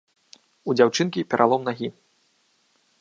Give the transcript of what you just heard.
У дзяўчынкі пералом нагі.